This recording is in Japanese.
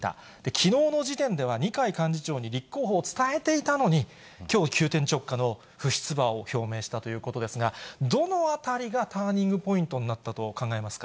きのうの時点では、二階幹事長に立候補を伝えていたのに、きょう急転直下の不出馬を表明したということですが、どのあたりがターニングポイントになったと考えますか。